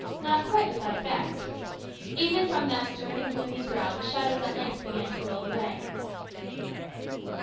Not quite without effect. Even from that stern and gloomy brow the shadows at length began to roll away.